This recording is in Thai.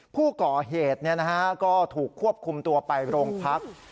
ผู้ก่อเหตุก็ถูกควบคุมตัวไปโรงพัก